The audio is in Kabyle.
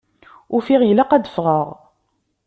Ufiɣ ilaq ad d-ffɣeɣ.